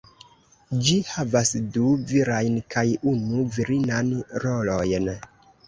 Ĝi havas du virajn kaj unu virinan rolojn.